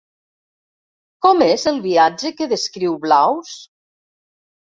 Com és el viatge que descriu Blaus?